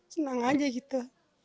senang aja gitu